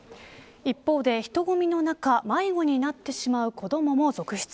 一方で、人混みの中迷子になってしまう子どもも続出。